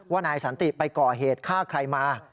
นายสันติไปก่อเหตุฆ่าใครมา